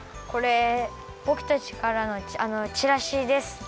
これぼくたちからのチラシです。